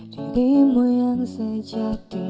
dirimu yang sejati